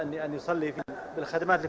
dengan kekuatan yang sangat menarik